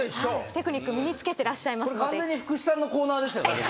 テクニック身に付けてらっしゃいますので。